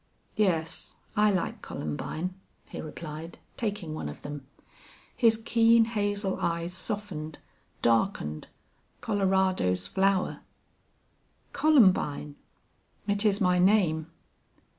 "Yes. I like columbine," he replied, taking one of them. His keen hazel eyes, softened, darkened. "Colorado's flower." "Columbine!... It is my name."